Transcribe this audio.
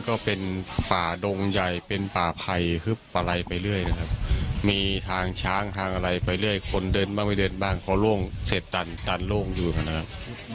คนเดินบ้างไม่เดินบ้างเค้าร่วงเศษตันตันโลกอยู่กันนะครับ